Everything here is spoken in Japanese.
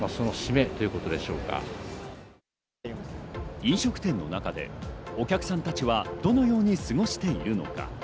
飲食店の中でお客さんたちはどのように過ごしているのか。